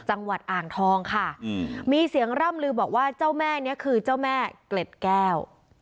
จังหวัดอ่างทองค่ะมีเสียงร่ำลือบอกว่าเจ้าแม่นี้คือเจ้าแม่เกล็ดแก้ว